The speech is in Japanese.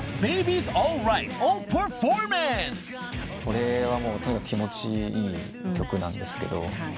これはもうとにかく気持ちいい曲なんですけど。